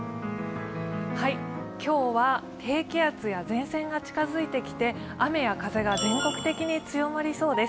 今日は低気圧や前線が近づいてきて雨や風が全国的に強まりそうです。